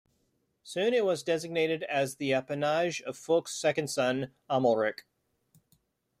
Soon it was designated as the apanage of Fulk's second son, Amalric.